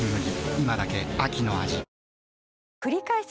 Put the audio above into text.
今だけ秋の味くりかえす